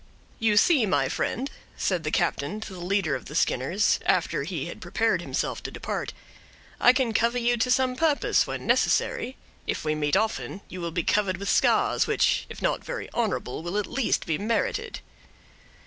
"You see, my friend," said the captain to the leader of the Skinners, after he had prepared himself to depart, "I can cover you to some purpose, when necessary. If we meet often, you will be covered with scars, which, if not very honorable, will at least be merited."